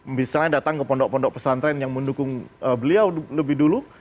misalnya datang ke pondok pondok pesantren yang mendukung beliau lebih dulu